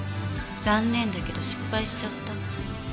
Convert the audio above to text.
残念だけど失敗しちゃった。